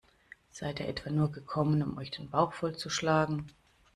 Seid ihr etwa nur gekommen, um euch den Bauch vollzuschlagen?